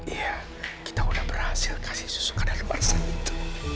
iya kita udah berhasil kasih susu ke anak anak sakit itu